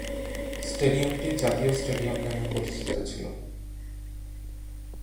স্টেডিয়ামটি 'জাতীয় স্টেডিয়াম' নামে পরিচিত ছিল।